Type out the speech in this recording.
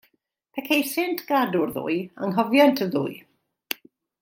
Pe ceisient gadw'r ddwy, anghofient y ddwy.